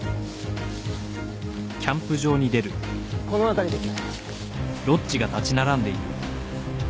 この辺りです。